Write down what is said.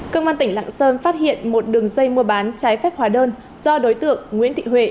công an tỉnh lạng sơn phát hiện một đường dây mua bán trái phép hóa đơn do đối tượng nguyễn thị huệ